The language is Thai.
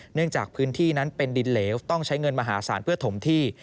เนื่องจากพื้นที่นั้นเป็นดินเหลวต้องใช้เงินมหาศาลเพื่อถมที่